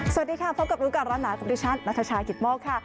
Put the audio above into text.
สวัสดีค่ะพบกับรู้กันร้านหนาของดิฉันนัทชาขิตมกค่ะ